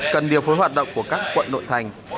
cần điều phối hoạt động của các quận nội thành